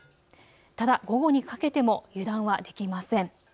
ただ午後にかけても油断はできません。